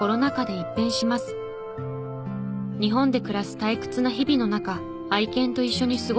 日本で暮らす退屈な日々の中愛犬と一緒に過ごしていると。